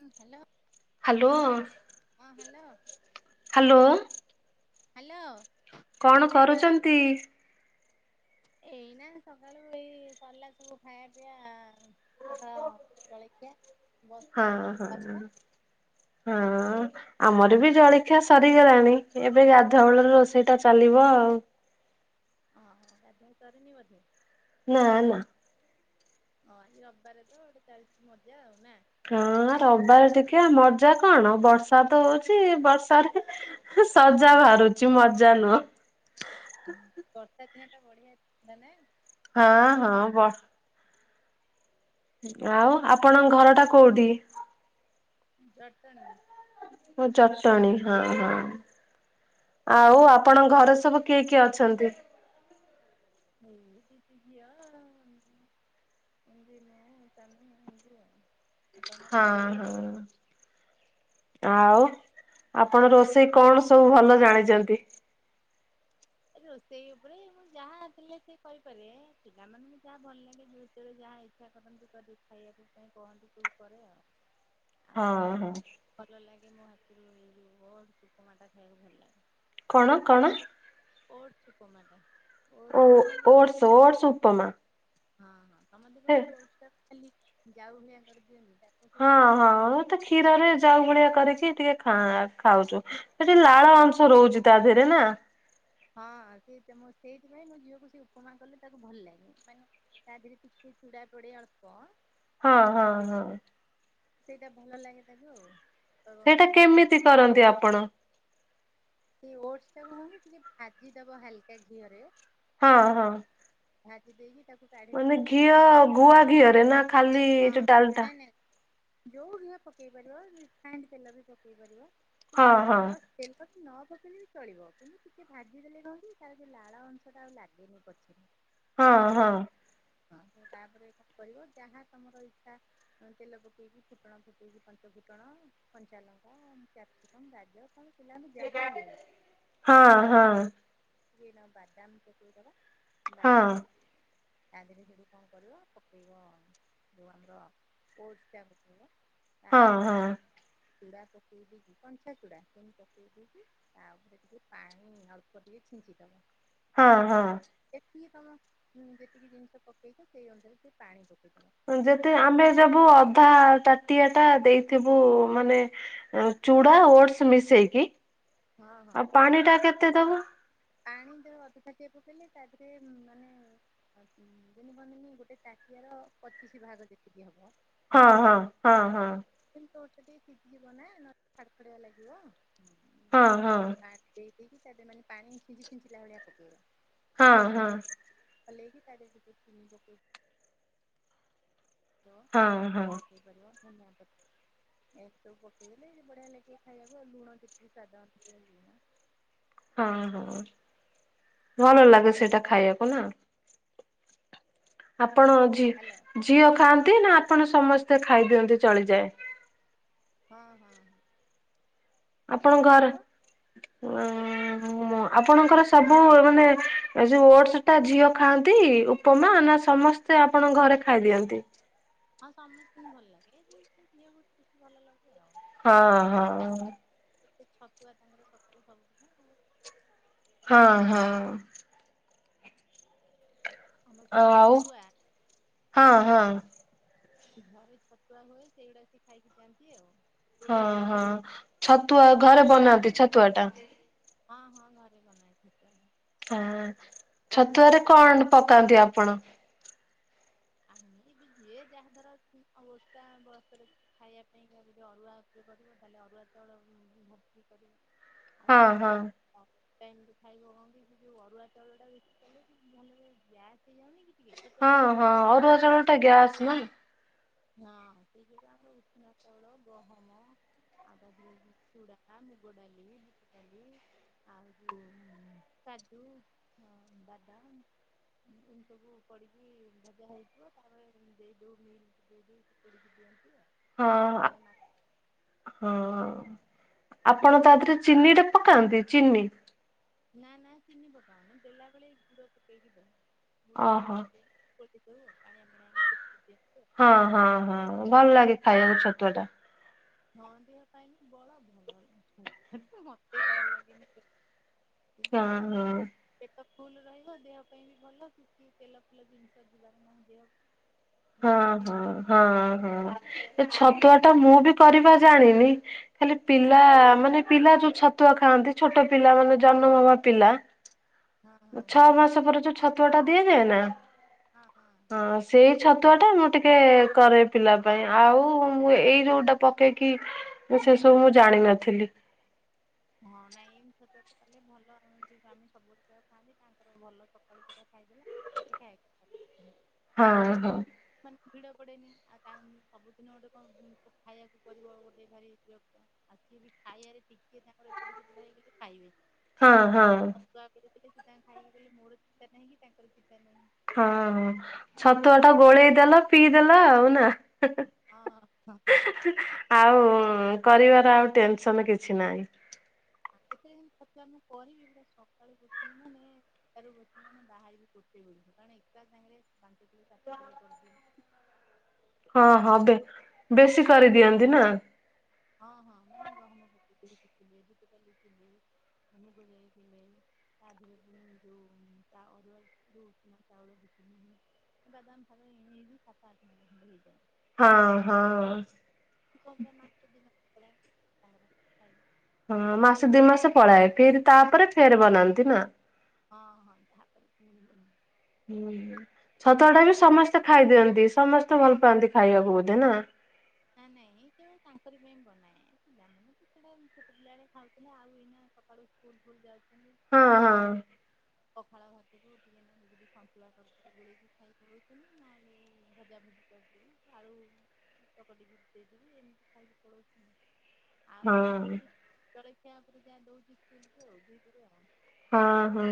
ହଁ hello. Hello hello. Hello. କଣ କରୁଛନ୍ତି? ଏଇନା ସକାଳୁ ଏଇ ସରିଲା ସବୁ ଖାଇବା ପିଇବା। ହଁ ଜଳଖିଆ ହଁ ବସିଛି ଆଉ ହଁ ତାପରେ ହଁ। ଆମର ବି ଜଳଖିଆ ସରିଗଲାଣି ଏବେ ଗାଧୁଆଳ ବେଳର ରୋଷେଇଟା ଚାଲିବ ଆଉ। ଓହୋ ଗାଧୁଆ ସରିନି ବଧେ ନା ନା ହଁ ଏ ରବିବାର ତ ଗୋଟେ ଚାଳିଶ ନେବେ ନା। ହଁ ରିବିବାର ଟିକେ ମଜା କଣ ବର୍ଷା ତ ହଉଛି ବର୍ଷା ରେ। ସଜା ବାହାରୁଛିି ମଜା ନୁହଁ। ହୁଁ ବର୍ଷା ଦିନେ ତ ବଢିଆ ମାନେ ହଁ ହଁ ବ ଆଉ ଆପଣଙ୍କ ଘର ଟା କୋଉଠି? ଜଟଣୀ। ଓ ଜଟଣୀ ହଁ ହଁ। ଆଉ ଆପଣଙ୍କ ଘରେ ସବୁ କିଏ କିଏ ଅଛନ୍ତି? ଏ ଟିକି ଝିଅ ଆଉ ଏମିତି [inaudible] ତମର? ହଁ ହଁ। ଆଉ ଆପଣ ରୋଷେଇ କଣ ସବୁ ଭଲ ଜାଣିଛନ୍ତି? ଏ ରୋଷେଇ ଉପରେ ମୁଁ ଯାହା ଥିଲେ ସେ କହିପାରିବେ ପିଲାମାନେ ଯାହା ଭଲ ଲାଗେ [unintelligible] [inaudible] ଯାହା ଇଚ୍ଛା କରନ୍ତି କରିିକି ଖାଇବାକୁ ପାଇଁ କହନ୍ତି ସବୁ କରେ ଆଉ। ହ ଆଉ ପ୍ରାୟ ମୋତେ ଭଲ ଲାଗେ ମୋ ହାତରୁ ଏଇ ଜୁ ଓଡ଼ସ ଉପମା ଟା ଖାଇବାକୁ ଭଲ ଲାଗେ। କଣ କଣ? ଓଡସ ଉପମା ଟା। ଓ ଓଡସ ଓଡସ ଉପମା। ହଁ ହଁ ସମସ୍ତେ ହେ କଣ କି ଓଡ଼ସ ଟା ଖାଲି ଜାଉ ଭଳିଆ କରି ଦିଅନ୍ତି ତ। ହଁ ହଁ ମୁଁ ତ କ୍ଷୀରରେ ଜାଉ ଭଳିଆ କରିକି ଟିକେ ଖା ଖାଉଛୁ। ସେ ଯୋଉ ଲାଳ ଅଂଶ ରହୁଛି ତା ଦେହରେ ନା। ହଁ ସେ ସେଇଥିପାଇଁ ମୋ ଝିଅକୁ ସେ ଉପମା କଲେ ତାକୁ ଭଲ ଲାଗେ ମାନେ ତା ଦେହରେ କିଛି ଚୁଡ଼ା ପଡେ ଅଳ୍ପ। ହଁ ହଁ ହଁ। ଦେଖ ସେଇଟା ଭଲ ଲାଗେ ତାକୁ ଆଉ ତ ସେଇଟା ମାନେ ଦେହ କେମିତି କରନ୍ତି ଆପଣ। ସେଇ ଓଟସ ଟାକୁ ମାନେ ଟିକେ ଭାଜି ଦବ ହାଲକା ଘିଅରେ ହଁ ହଁ। ଆଁ ମାନେ ଘିଅ ଗୁଆ ଘିଅରେ ନା ଖାଲି ଏ ଡାଲଟା। ନାଇଁ ନାଇଁ ଯୋଉ ଘିଅ ପକେଇ ପାରିବ ରିଫାଇଣ୍ଡ ତେଲ ବି ପକେଇ ପାରିବା କିନ୍ତୁ ହଁ ଅଳ୍ପ ହଁ ଜଷ୍ଟ ତେଲ କି ନ ନପକେଇଲେ ବି ଚଳିବ କିନ୍ତୁ ଟିକେ ଭାଜିଦେଲେ କଣ କି ତାର ଲାଳ ଅଂଶଟା ଆଉ ଲାଗେନି ପଛରେ। ହଁ ହଁ ସେଥିରେ ହଁ ତାପରେ ଏଇଟା କରିବ ଯାହା ତମର ଇଚ୍ଛା। ତେଲ ପକେଇକି ଫୁଟଣ ଫୁଟେଇକି ପଞ୍ଚ ଫୁଟଣ କଞ୍ଚାଲଙ୍କା, କ୍ୟାପସ [unintelligible] ଗାଜର [unintelligible] ଲା ଭଲ ଲା ହଁ ହଁ ତାକୁ ହଁ ପକେଇକିନା ବାଦାମ ପକେଇଦବା। ହଁ ବଦାମ ପକେଇକି ତା ଦେହରେ ସେଠୁ କଣ କରିବ ପକେଇବ ଯୋଉ ଆମର ଓଟସ ଚା ପକେଇବ। ତାପରେ ହଁ ଚୁଡ଼ା ପକେଇ ଦେଇ କି କଞ୍ଚା ଚୁଡ଼ା ସେମିତି ପକେଇକି ତାପରେ ଟିକେ ପାଣି ଅଳ୍ପ ଟିକେ ଛିଞ୍ଚିଦବ ହଁ ହଁ। ଦେଖିକି ତମ ଯେତିକି ଜିନିଷ ପକେଇଛ ସେଇ ଅନୁସାରେ ଟିକେ ପାଣି ପକେଇ ଦେବ। ଯେତେ ଆମେ ଦବୁ ଅଧା ତାଟିଆ ଟା ଦେଇଥିବୁ ମାନେ ଆ ଚୂଡ଼ା ଓଟସ ମିଶେଇକି ହଁ ହଁ ଆଉ ପାଣି ତା ଟା ଦେହରେ କେତେ ଦବୁ? ପାଣି ଯୋଉ ଅଧ ଟ ଟିକେ ପକେଇଲେ ତା ଦେହରେ ମାନେ ଯେମି ଭନେନି ଗୋଟେ ଟଟିିଆର ପଚିଶି ଭାଗ ଯେତିକି ହବ। ହଁ ହେଲା ହଁ ହଁ ଓକେ। ହଁ କିନ୍ତୁ ସେ ଟିକେ ସିଝିଯବ ନା ନହେଲେ ଫାଡ୍ ଫଡ଼ିଆ ଲାଗିବ। ହଁ ହଁ। ଆଡ୍ ଦେଇ ଦେଇକି ତାପରେ ମାନେ ଟିକେ ପାଣି ଛିଞ୍ଚି ଛିଞ୍ଚିଳା ଭଳିଆ ପକେଇବ ହଁ ତାକୁ ହଁ ହଁ ତାପରେ ହଲେଇକି ତାଦିହରେ ଟିକେ ଚିନି ପକେଇ ବ ହଁ ହଁ ରୋଷେଇ କରିବ ଧନିଆ ପତ୍ ଏ ସବୁ ପକେଇଲେ ବଢ଼ିଆ ଲାଗିବ ଖାଇବାକୁ ଆଉ ଲୁଣ ଟିକେ ସ୍ବାଦ ଅନୁ ତାପରେ ଲୁଣ ହଁ ହଁ ଭଲ ଭଲ ଲାଗେ ସେଇଟା ଖାଇବାକୁ ନା। ଆପଣ ହ୍ୟାଲୋ ଝିଅ ଝିଅ ଖାଆନ୍ତି ନା ଆପଣ ସମସ୍ତେ ଖାଇଦିଅନ୍ତି ଚଳିଯାଏ। ହଁ ହଁ ହଁ ଆଉ ଆପଣଙ୍କ ତମର? ଘର ହୁଁ ଆପଣଙ୍କର ସବୁ ମାନେ ଯୋଉ ଓଟସ ଟା ଝିଅ ଖାଆନ୍ତି ଉପମା ନା ସମସ୍ତ ସେ ଆପଣଙ୍କ ଘରେ ଖାଇ ଦିଅନ୍ତି। ହଁ ସମସ୍ତି ଙ୍କୁ ଭଲ ଲାଗେ କିନ୍ତୁ ଝିଅକୁ ଟିକେ ବେଶୀ ଭଲ ଲାଗେ ଆଉ। ହଁ [unintelligible] ହଁ ଛତୁଆ ତାଙ୍କର ସକାଳୁ କରୁଚି ନ ଆଉ ହଁ ହଁ। ଆମର ହୁଏ ଆଉ ଛତୁଆ ହଁ ହଁ। ଘରେ ଛତୁଆ ହୁଏ ଯେ ଏଇଗୁଡ଼ା ସିଏ ଖାଇକି ଯାଆନ୍ତି ଆଉ। ହଁ ହଁ ଛତୁଆ ଘରେ ବନାନ୍ତି ଛତୁଆ ଟା ହଁ ହଁ ଘରେ ବନାଏ ଛତୁଆଟା ହଁ ଛତୁଆରେ ଗ କଣ ପକାନ୍ତି ଆପଣ। ଆମେ ବି ଯିଏ ଯାହା ଧାର ଓଷା ଆଉ ବର୍ଷରେ ଖାଇବା ପାଇଁ ଯଦି ଅରୁଆକିଏ କରିବ ତାହେଲେ ଅରୁଆ ଚାଉଳ ବି ଭର୍ତ୍ତି କରିବ। ଆଜି ହଁ ବି ହଁ ଅ ଟାଇମ୍ ରେ ଖାଇବ କଣ କି ଯୋଉ ଅରୁଆ ଚାଉଳ ଟା ବଖି କଲେ କି ଭଲରେ ଗ୍ୟାସ୍ ହେଇଯାଉନି କି। ଟିକେ ଛତୁଆ ହଁ ଖାଇଲେ। ହଁ ଅରୁଆ ଚାଉଳ ଟା ଗ୍ୟାସ ନାଁ ହଁ ସେ ଯୋଉ ତାଙ୍କ ଉସୁନାଁ ଚାଉଳ ଗହମ ଆଉ ବାଦମ ଚୁଡ଼ା ମୁଗ ଡାଳି ବୁଟ ଡାଲି। ଆଉ ଯୋଉ କାଜୁ ବାଦାମ। ଏ ସବୁ ପଡିକି ଭଜା ହେଇଥିବ ତାପରେ ଦେଇଦଉ ମିଲ ଦେଇ ଦେଇ ପଡ଼ି କି ଦିଅନ୍ତି ଆଉ। ହଁ ହଁ ରହିଯାଏ ଆପଣ ତା ଦିହରେ ମାସ ଚିନିର ପକାନ୍ତି ଚିନି? ନା ନା ଚିନି ପକା ହଉନି। ଦେଲାବେେଳେ ଗୁଡ ପକେଇକିି ଦଉ ଗୁଡ ଟିକେ ଓହୋ ପକେଇବ। ସେଇଟି ଦୋଉ ପାଣିଆ ପାଣିଆ କରି ପିଦିଅନ୍ତି ଆଉ। ହଁ ହଁ ହଁ ଭଲ ଲାଗେ ଖାଇବାକୁ ଛତୁଆ ଟା। ହଁ ଦେହ ପାଇଁ ବି ବଳ ଭଲ ଲାଗେ, ମତେ ଭଲ ଲାଗେନି ସେ। କିନ୍ତୁ ଟା ହଁ ହଁ। [unintelligible] ପେଟ ଫୁଲ ରହିବ। ଦେହ ପାଇଁ ବି ଭଲ। କିଛି ତେଲ ଫେଲ ଜିନିଷ ଯିବାର ନାହିଁ ଦେହକୁ। ହଁ ଭଲ ଲାଗେ ହଁ ଆଉ। ହଁ ହଁ। ଏ ଛତୁଆ ଟା ମୁଁ ବି କରିବା ଜାଣିନି। ଖାଲି ପିଲା ମାନେ ପିଲା ଯୋଉ ଛତୁଆ ଖାଆନ୍ତି। ଛୋଟ ପିଲା ମାନେ ଜନ୍ମ ହବା ପିଲା ହଁ ହଁ ଛଅ ହଁ। ମାସ ପରେ ଯୋଉ ଛତୁଆ ଟା ଦିଆଯାଏ ନା? ହଁ ହଁ। ଅ ସେ ଛତୁଆ ଟା ମୁଁ ଟିକେ କରେ ପିଲା ପାଇଁ। ଆଉ ଏଇ ଯୋଉଟା ପକେଇକି ମୁ ସେ ସବୁ ମୁଁ ଜାଣିନଥିଲି। ହଁ ନାଇଁ ଏଇି ଛତୁଆ ଟା କଲେ ଭଲ ଏ ସ୍ୱାମୀ ସବୁବେଳେ ସେଇଆକୁ ଖାଆନ୍ତି। ତାଙ୍କର ଭଲ ସକାଳୁ ସେଟା ଖାଇଦେଲେ କିଛି ଖାଏନି, ହଁ ମତେ ହଁ ବି ଟିକେ ମାନେ ଭିଡ଼ ପଡ଼େନି ଆଉ ତା ସବୁଦିନ ଗୋଟେ କଣ ଖାଇବାକୁ ପଡିବ ଗୋଟେ ଭାରି ବିରକ୍ତ। ଆକଚୁଆଲି ଖାଇବାରେ ଟିକେ ତାଙ୍କର ଏପଟେ ସେପଟ ହେଇଗଲେ ଖାଇବେନି। ହଁ ହଁ ଆଉ ଛୁଆ ପ ସେ ଟିକେ ଦେଇଦେଲେ ସେ ଖାଇକି ଗଲେ ମୋର ଚିନ୍ତା ନାହିଁ କି ତାଙ୍କର ଚିନ୍ତା ନାହିଁ। ହଁ ଛତୁଆ ଟା ଗୋଳେଇଦେଲ ପିଇଦେଲ ଆଉ ନା? ହଁ ହଁ ହ ହଁ। ଆଉ କରିବାର ଆଉ ଟେନସନ କିଛି ନାହିଁ। ଆ କେତେବେଳ ମୁଁ ଛତୁଆ ମୁଁ କରିବି ପୁରା ସକାଳୁ ଯିବି ମାନେ ସକାଳୁ ବସିବି ମାନେ ବାହାରିବି ଗୋଟେ ବେଳକୁ କାରଣ ଏକା ସାାଙ୍ଗରେ ପାଞ୍ଚ କିଲି ସାତ କିଲି କରିଦିଏ। ହଁ ହ ମାଛ ବେ ପକା ବେଶୀ କରିଦିଅନ୍ତି ନା? ହଁ ହଁ ମାନେ ଗହମ ପକେଇ ଦିଏ ଦି କିଲେ, ବୁଟଡ଼ାଲି କିଲେ, ମୁଗଜାଇ କିଲେ। ତାଧିଆରେ ପୁଣି ଯୋଉ ତା ଅରୁଆ ଯୋଉ ଉଷୁନା ଚାଉଳ ଦି କିଲେ। ବାଦାମ ଫାଦାମ ଏଇମିତି ସାତ ଆଠ [unintelligible] ହେଇଯାଏ। ହଁ ହଁ। ସେ କହୁଥିଲା ମାସେ ଦିମାସ ପଳାଏ। ତାଙ୍କର ଖାଇଲେ ହଁ ମାସ ଦି ମାସ ପଳାଏ ଫେରି ତାପରେ ଫେର ବନାନ୍ତି ନା? ହଁ ହଁ ତାପ ବିଲ ହୁଁ ଛତୁଆ ଟା ବି ସମସ୍ତେ ଖାଇଦିଅନ୍ତି। ସମସ୍ତେ ଭଲ ପାଆନ୍ତି ଖାଇବାକୁ ବୋଧେ ନା? ନା ନାଇଁ ଏ କେବଳ ତାଙ୍କର ପାଇଁ ବନାଏ। ପିଲା ମମାନେ ସେ ସେଟା ଛୋଟ ପିଲା ବେଳେ ଖାଉଥିଲେ ଆଉ ଏଇନା ସକାଳୁ ସ୍କୁଲ ଫୁଲ ଯାଉଚନ୍ତି ହଁ ସକାଳୁ ହଁ ସକାଳୁ ପଖାଳ ଭାତ [unintelligible] ସନ୍ତୁଳା କରିଦି ଗୁଳେଇକି ଖାଇ ପଉନି ନହେଲେ ଭଜା ଭଜି କରିଦଉ। ଆଳୁ ଚକଟିକି ଦେଇଦବୁ ଏମିତି ଖାଇକି ପଳାଉଛିି ଆଉ ହଁ। ଯାହା ଜଳଖିଆ ଉପରେ ଯାହା ଦଉଚି ସ୍କୁଲକୁ ଆଉ ଦିପରେ ଆଉ। ହଁ ହଁ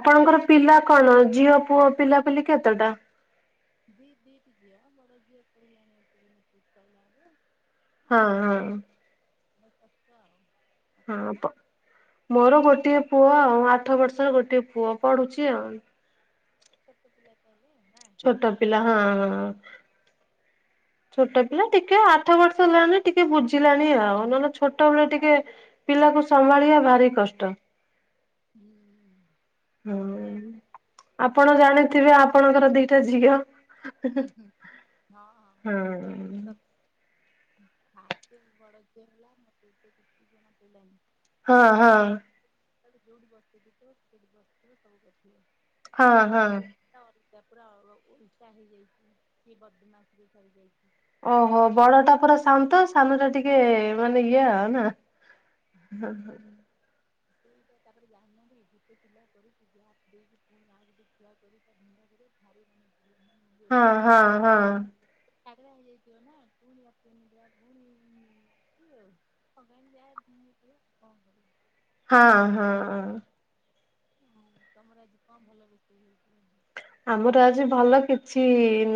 ଆପଣଙ୍କର ପିଲା କଣ ଝିଅ ପୁଅ ପିଲାପିଲି କେତଟା? ଦି ଦି ଟି ଝିଅ ବଡ଼ ଝିଅ ପଢିଲାଣି [unintelligible] ସାରିଲାଣି। ହଁ ଆଉ ହଁ ସାନ ବ କଷ୍ଟ ଆଉ। ଆଉ ହଁ ତମର ପ ମୋର ଗୋଟିଏ ପୁଅ ଆଉ। ଆଠ ବର୍ଷର ଗୋଟିଏ ପୁଅ ପଢୁଚି ଆଉ। ଛୋଟ ପିଲା ତାହେଲେ ଆଉ ନାଁ? ଛୋଟ ପିଲା ହଁଁ ହଁ। ଛୋଟ ପିଲା ଆପଣ କଣ ଟିକେ ଆଠ ବର୍ଷ ହେଲାଣି ଟିକେ ବୁଝିଲାଣି ଆଉ ନହେଲେ ଛୋଟବେେଳେ ଟିକେ ପିଲାକୁ ସମ୍ଭାଳିବା ଭାରି କଷ୍ଟ। ହୁଁ। ସେୟା ହୁଁ ନୁହଁ ଆପଣ ଜାଣିଥିବେ ଆପଣଙ୍କର ଦିଟା ଝିଅ ହୁଁ ହଁ ହଁ ସ ଫାଷ୍ଟ ବଡ ଝିଅ ହେଲା ମତେ ତ କିଛି ଜଣା ପଡିଲାନି ହଁ କାରଣ ହଁ ସେ ଯୋଉଠି ବସଥିବ ସେଇଠି ବସିଥିବ ସବୁ କରିଥିବ ଆଉ ହଁ ହଁ ସାନ ଝିଅ ତ ଅଲଗା ପୁରା ଓଲଟା ହେଇ ହେଇଛି ସେ ବଦମାସ ରେ ସରିଯାଇଛି। ଓହୋ ବଡ ଟା ପୁରା ଶାନ୍ତ ସାନ ଟା ଟିକେ ମାନେ ଇଏ ଆଉ ନା? ହଁ ହଁ। ସେଇଟା ତାପରେ ଜାଣିନାହାନ୍ତିି ଗୋଟେ ପିଲା କରିଛି ଗ୍ୟାପ ଦେଇକି ପୁଣି ଆଉ ଗୋଟେ ଛୁଆ କରି [unintelligible] [unintelligible] [unintelligible] ହଁ ହଁ ହଁ। [unintelligible] ହେଇଯାଇଥିବ ନା ପୁଣି ରାତି ଅନିଦ୍ରା ପୁଣି ଆଉ ଭଗବାନ୍ ଯାହା ଦିଏ ପା କଣ କରିବା? ହଁ ହଁ ହଁ। ତମର ଆଜି କଣ ଭଲ ରୋଷେଇ ହେଇଚି? ଆମର ଆଜି ଭଲ କିଛି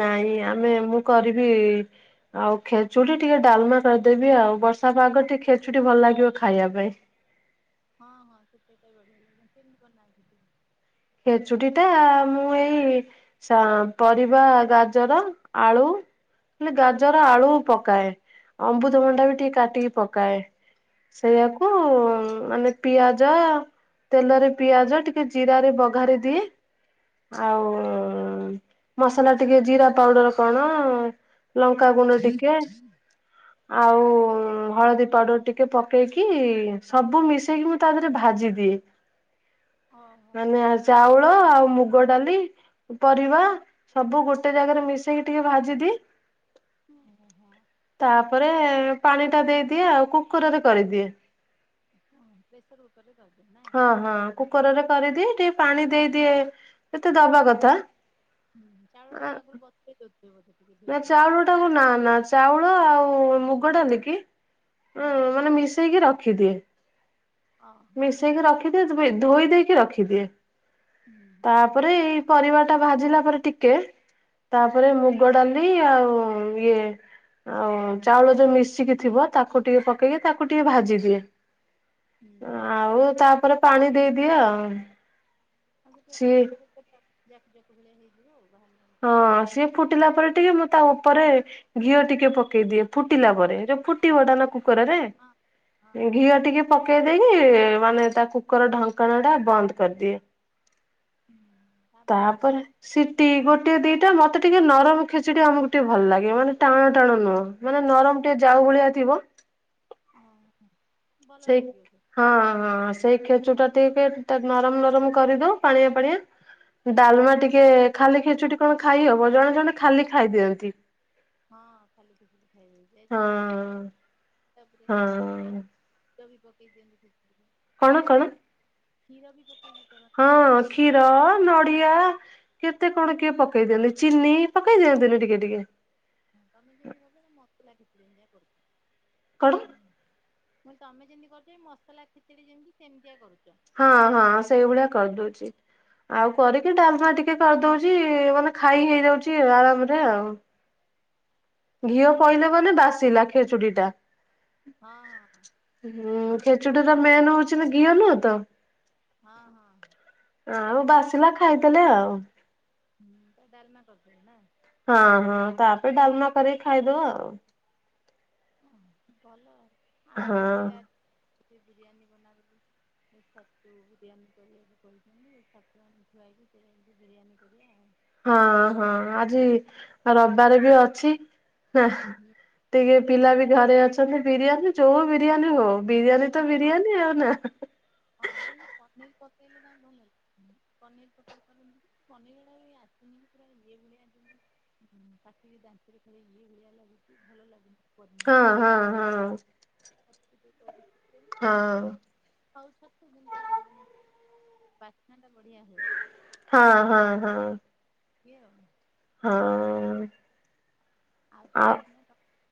ନାହିଁ ଆମେ ମୁଁ କରିବି ଆଉ ଖେଚୁଡ଼ି ଟିକେ ଡାଲମା କରିଦେବି ଆଉ ବର୍ଷା ପାଗ ଟିକେ ଖେଚୁଡ଼ି ଭଲ ଲାଗିବ ଖାଇବା ପାଇଁ। ହଁ ହଁ ଖେଚୁଡ଼ି ଟା ବି ବଢିଆ ଲାଗିବ। କେମତୀ ବନାନ୍ତି? ଖେଚୁଡ଼ି ଟା ମୁଁ ଏଇ ସ ପରିବା, ଗାଜର, ଆଳୁ ହେଲେ ଗାଜର, ଆଳୁ ପକାଏ ଅମୃତଭଣ୍ଡା ବି ଟିକେ କାଟିକି ପକାଏ। ହଁ ସେଇଆକୁ ମାନେ ପିଆଜ ତେଲରେ ପିଆଜ ଟିକେ ଜିରାରେ ବଘାରି ଦିଏ ହଁ ଆଉ ହଁ। ମସଲା ଟିକେ ଜିରା ପାଉଡର କଣ ଲଙ୍କା ଗୁଣ୍ଡ ଟିକେ ଆଉ ହଳଦୀ ପାଉଡର ଟିକେ ପକେଇକି ସବୁ ମିଶେଇକି ମୁ ତା ଦେହରେ ଭାଜିଦିଏ ହଁ ହଁ ମାନେ ହଁ ଚାଉଳ ଆଉ ମୁଗ ଡାଲି ପରିବା ସବୁ ଗୋଟେ ଜାଗାରେ ମିଶେଇକି ଟିକେ ଭାଜିଦି ହୁଁ ହଁ ହଁ। ତାପରେ ପାଣି ଟା ଦେଇଦିଏ ଆଉ କୁକୁରରେ କରିଦିଏ। ହଁ ପ୍ରେସର କୁକର ରେ କରିଦିଅ ନା? ହଁ ହଁ କୁକରରେ କରିଦିଏ ଟିକେ ପାଣି ଦେଇଦିଏ ଯେତେ ଦବା କଥା ହୁଁ ଚାଉଳ ଟାକୁ ଆଗରୁ ବସେଇ ତଥିବ ବୋଧେ ଟି ନା ଚାଉଳ ଟାକୁ ନା ନା ଚାଉଳ ଆଉ ମୁଗ ଡ଼ାଲି କି ହୁଁ ହ ହୁଁ ମାନେ ମିଶେଇକି ରଖିଦିଏ ହଁ ହଁ ମିଶେଇକି ରଖି ଦିଏ ଧୋଇ ଦେଇକି ରଖିଦିଏ ହୁଁ ହୁଁ ତାପରେ ଏଇ ପରିବା ଟା ଭାଜିଲା ପରେ ଟିକେ ହଁ ତାପରେ ହଁ ମୁ ଡାଲି ଆଉ ଇଏ ଆଉ ଚାଉଳ ଯୋଉ ମିଶିକି ଥିବ ତାକୁ ଟିକେ ପକେଇକି ତାକୁ ଟିକେ ଭାଜିଦିଏ ହୁଁ ହୁଁ। ଆଉ ତାପରେ ପାଣି ଦେଇଦିଏ ଆଉ ହଉ ସେ ସିଏ ଯାକ ଯାକ ଭଳିଆ ହେଇଯିବ ଆଉ ବାହାର ନେଇଇଯିବ ଆଉ ହଁ ନା? ସିଏ ଫୁଟିଲା ପରେ ଟିକେ ମୁଁ ତା ଉପରେ ଘିଅ ଟିକେ ପକେଇ ଦିଏ ଫୁଟିଲା ପରେ ଫୁଟିବଟା ନା ହଁ ହଁ କରାଯାଏ ହଁ ଘିଅ ହଁ। ଟିକେ ପକେଇ ଦେଇକି ମାନେ ତା କୁକୁର ଢଙ୍କଣ ଟା ବନ୍ଦ କରିଦିଏ। ତାପରେ ସେଠି ତାପରେ ସିଟି ଗୋ ଟେ ଦିଟା ମତେ ଟିକେ ନରମ ଖେଚଡି ଆମକୁ ଟିକେ ଭଲ ଲାଗେ ମାନେ ଟାଣ ଟାଣ ନୁହଁ ମାନେ ନରମ ଟିକେ ଯାଉ ଭଳିଆ ଥିବ ଓ ହୋ ଭଲ ସେଇ ଲାଗିବ ଯେ ହଁ ହଁ ସେଇ ଖେଚୁ ଟା ଟିକେ ନରମ ନରମ କରିଦଉ ପାଣିଆ ପାଣିଆ ଡାଲମା ଟିକେ ଖାଲି ଖେଚୁଟି କଣ ଖାଇ ହବ ଜଣେ ଜଣେ ଖାଲି ଖାଇ ଦିଅନ୍ତି। ହଁ ଖାଲି ଖିଚିଡ଼ି ଖାଇହେବ ହଁ [unintelligible] କ୍ଷୀର ହଁ ବି ପକେଇ ଦିଅନ୍ତି ଖେଚୁଡ଼ି ରେ। କଣ କଣ? ଖୀର ବି ପକେଇକି ହଁ କରନ୍ତି କ୍ଷୀର ନଡ଼ିଆ କେତେ କଣ କିଏ ପ କେଇ ଦିଅନ୍ତି ଚିନି ପକେଇ ଦିଅନ୍ତନି ଟିକେ ଟିକେ। ହଁ ତମେ ଯେମିତି କରୁଛ ନା ମସଲା ଖିଚିଡ଼ି ସେମିତିଆ କରୁଛି। କଣ? ମୁଁ କହିଲି ତମେ ଯେମିତି କରଛ ଏଇ ମସଲା ଖେଚିଡ଼ି ଯେମିତି ସେମିତିଆ କରୁଛ। ହଁ ହଁ ସେଇଭଳିଆ କରିଦଉଚି। ଆଉ କରିକି ଡାଲମା ଟିକେ କରିଦଉଛି ମାନେ ଖାଇ ହେଇଯଉଛି ଆରାମରେ ଆଉ। ହୁଁ ଘିଅ ପଇଲା ବୋଲି ବାସିଲା ଖେଚୁଡ଼ି ଟା। ହଁ ହୁଁ ହଁ ଖେଚୁଡ଼ିର ମେନ ହଉଛି ନା ଘିଅ ନୁହଁ ତ? ହଁ ହଁ ଆଉ ବାସିଲା ଖାଇଦେଲେ ଆଉ। ହୁଁ ତ ଡଲମା କରିଥିଲୁ ନା। ହଁ ହଁ ତାପରେ ଡାଲମା କରି ଖାଇଦବ ଆଉ। ଓ ଭଲ ହଁ। ଆମର ବି ପିଲା କୁହନ୍ତି ବିରିୟାନୀ ବନା ବୋଲି ସେ ଛତୁ ବିରିୟାନୀ କରିବାକୁ କହିଛନ୍ତି ଛତୁ ଆମର ଥୁଆହେଇଛି ସେଇଆକୁ ବିରିୟାନୀ କରିବା ଆଉ। ହଁ ହଁ ଆଜି ରବାରେ ବି ଅଛି। ନା ହୁଁ। ଟିକେ ହଁ ପିଲା ବି ଘରେ ଅଛନ୍ତି ବିରିୟାନୀ ଯୋଉ ବିରିୟାନୀ ହଉ ବିରିୟାନୀ ତ ହଁ ବିରିୟାନୀ ଆଉ ନା ହଁ ନାଇଁ ଯେ ପନିର ପକେଇଲେ ନାଁ ଭଲ। ହୁଁ ପନିର ପକେଇ କଲେ ଭଲ ପନିର ଗୁଡ଼ା ବି ଆସୁନି ପୁରା ଇଏଭଳିଆ ଯେମିତି ହୁଁ ପାଟିକି ଦାନ୍ତରେ ପୁରା ୟେ ଭଳିଆ ଲାଗୁଚି ଲାଗୁଛି ଭଲ ଲାଗୁନି। ହଁ ହଁ ହଁ। [unintelligible] ବାସ୍ନାଟା ହଁ। ବଢ଼ିଆ ହୁଏ ହଁ ହଁ ହଁ କିଏ ଆଉ? ହଁ। ଆଉ ତାହେଲେ ଏୟିନା ଟ